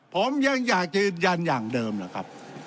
ผมยังอยากยืนยันอย่างเดิมนะครับ